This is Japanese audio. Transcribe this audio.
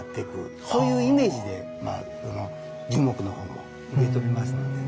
そういうイメージで樹木の方も植えておりますのでね。